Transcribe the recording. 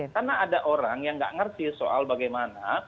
karena ada orang yang nggak ngerti soal bagaimana